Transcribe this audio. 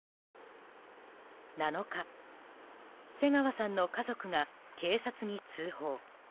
７日、瀬川さんの家族が警察に通報。